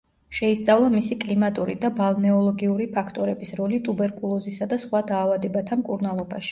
შეისწავლა მისი კლიმატური და ბალნეოლოგიური ფაქტორების როლი ტუბერკულოზისა და სხვა დაავადებათა მკურნალობაში.